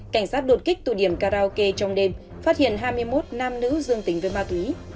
cảnh sát đột kích tụ điểm karaoke trong đêm phát hiện hai mươi một nam nữ dương tính với ma túy